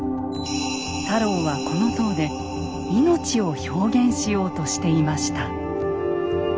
太郎はこの塔で「命」を表現しようとしていました。